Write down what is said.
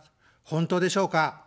本当でしょうか。